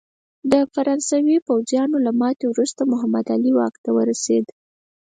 د فرانسوي پوځیانو له ماتې وروسته محمد علي واک ته ورسېد.